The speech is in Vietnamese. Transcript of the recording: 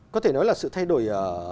có thể nói là sự thay đổi